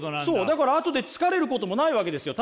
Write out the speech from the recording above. だから後で疲れることもないわけですよ。